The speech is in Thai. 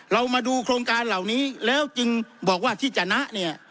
เรามาดูโครงการเหล่านี้แล้วจึงบอกว่าที่จะนะเนี่ย